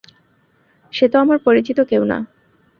সে তো আমার পরিচিত কেউ না।